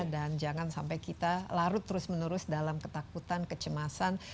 dan jangan sampai kita larut terus menerus dalam ketakutan kecemasan